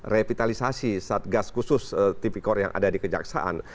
revitalisasi satgas khusus tipikor yang ada di kejaksaan